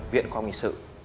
viện khoa học hình sự